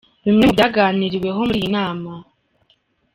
Bimwe mu byaganiriweho muri iyi nama:.